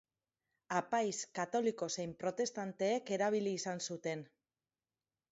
Apaiz katoliko zein protestanteek erabili izan zuten.